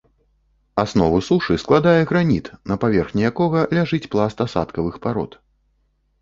Аснову сушы складае граніт, на паверхні якога ляжыць пласт асадкавых парод.